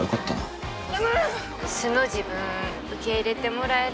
素の自分受け入れてもらえるって自信ある？